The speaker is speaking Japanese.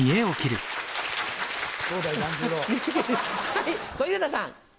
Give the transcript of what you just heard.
はい小遊三さん。